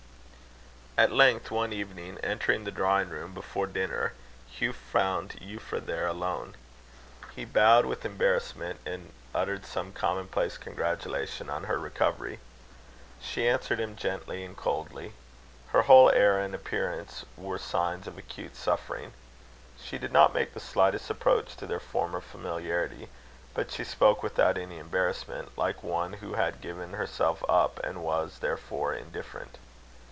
At length, one evening, entering the drawing room before dinner, Hugh found Euphra there alone. He bowed with embarrassment, and uttered some commonplace congratulation on her recovery. She answered him gently and coldly. Her whole air and appearance were signs of acute suffering. She did not make the slightest approach to their former familiarity, but she spoke without any embarrassment, like one who had given herself up, and was, therefore, indifferent.